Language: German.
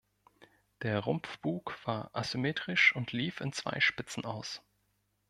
Der Rumpfbug war asymmetrisch und lief in zwei Spitzen aus.